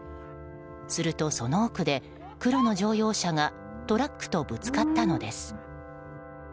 すると、その奥で黒の乗用車がトラックとぶつかったのです。